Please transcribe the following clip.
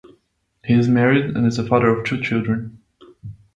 He is married and is the father of two children.